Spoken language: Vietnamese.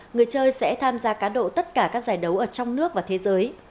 người chơi sẽ tham gia cá độ tất cả các giải đấu ở trong nước và thế giới